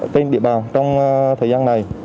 tên địa bàn trong thời gian này